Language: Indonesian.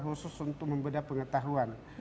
khusus untuk membeda pengetahuan